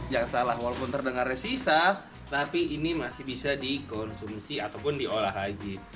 jangan salah walaupun terdengarnya sisa tapi ini masih bisa dikonsumsi ataupun diolah lagi